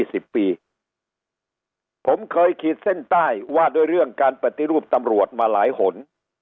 สิบปีผมเคยขีดเส้นใต้ว่าด้วยเรื่องการปฏิรูปตำรวจมาหลายหน